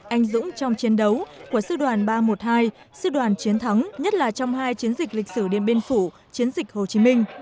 anh dũng trong chiến đấu của sư đoàn ba trăm một mươi hai sư đoàn chiến thắng nhất là trong hai chiến dịch lịch sử điện biên phủ chiến dịch hồ chí minh